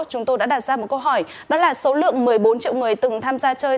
chúng tôi đã đặt ra một câu hỏi đó là số lượng một mươi bốn triệu người từng tham gia chơi